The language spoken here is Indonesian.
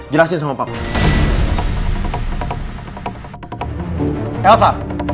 jelasin sama pak elsa